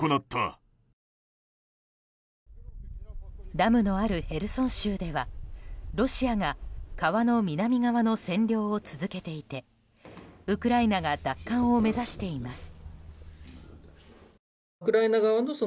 ダムのあるへルソン州ではロシアが川の南側の占領を続けていてウクライナが奪還を目指しています。